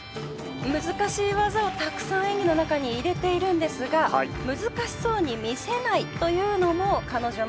難しい技をたくさん演技の中に入れているんですが難しそうに見せないというのも彼女のすごさですね。